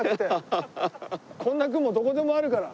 こんな雲どこでもあるから。